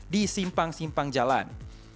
di simpang simpang jalan